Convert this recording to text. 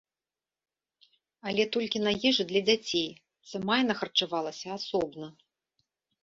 Але толькі на ежы для дзяцей, сама яна харчавалася асобна.